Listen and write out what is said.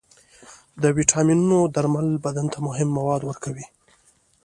د ویټامینونو درمل بدن ته مهم مواد ورکوي.